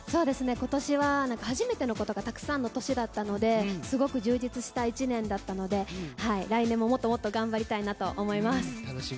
今年は初めてのことがたくさんの年だったのですごく充実した１年だったので来年ももっともっと頑張りたいなと思います。